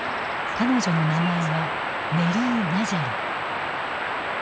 彼女の名前はネリー・ナジャリ。